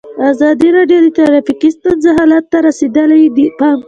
ازادي راډیو د ټرافیکي ستونزې حالت ته رسېدلي پام کړی.